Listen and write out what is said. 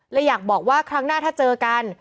อยากบอกว่าครั้งหน้าถ้าเจอกัน